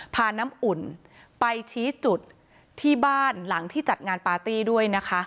พาน้ำอุ่นไปชี้จุดที่บ้านหลังที่จัดงานปาร์ตี้ด้วยนะคะ